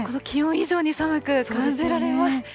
気温以上に寒く感じられます。